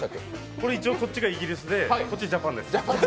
これ、一応こっちがイギリスでこっちジャパンです。